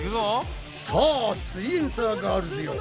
さあすイエんサーガールズよ